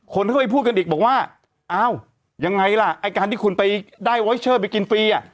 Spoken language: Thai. ๒คนเข้าไปพูดกันอีกบอกว่ายังไงล่ะการที่คุณไปได้เวอร์เชอร์ไปกินฟรี